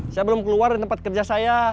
saya belum keluar dari tempat kerja saya